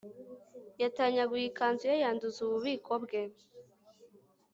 Yatanyaguye ikanzu ye yanduza ububiko bwe